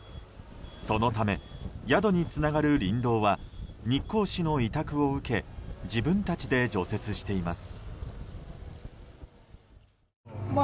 そのため、宿につながる林道は日光市の委託を受け自分たちで除雪しています。